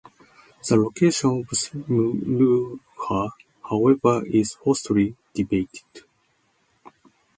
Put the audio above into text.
The location of Meluhha, however, is hotly debated.